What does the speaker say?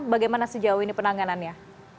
bagaimana sejauh ini penanganannya